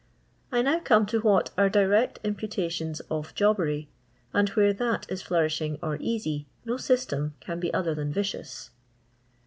I now come to what are direct imputations of Jolbery, and where tfuU is flourishing or easy, no system can be other than vicious.